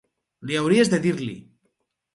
Li hauries de dir-li.